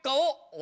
お！